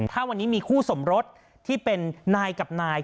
ถ้าวันนี้มีคู่สมรสที่เป็นนายกับนาย